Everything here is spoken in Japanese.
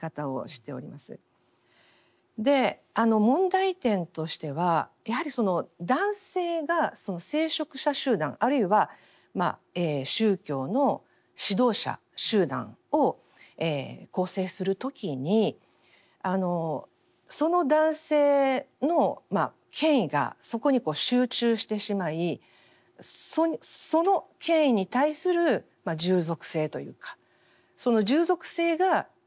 で問題点としてはやはり男性が聖職者集団あるいは宗教の指導者集団を構成する時に男性の権威がそこに集中してしまいその権威に対する従属性というかその従属性が依存になってゆく。